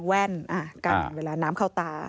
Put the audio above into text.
แว่นกั้นเวลาน้ำเข้าตา